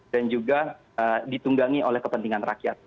juga ditunggangi oleh kepentingan rakyat